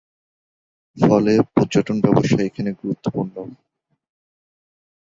ফলে পর্যটন ব্যবসা এখানে গুরুত্বপূর্ণ।